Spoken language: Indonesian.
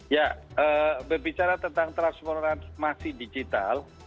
ya berbicara tentang transformasi digital